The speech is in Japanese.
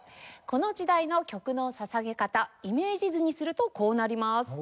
この時代の曲の捧げ方イメージ図にするとこうなります。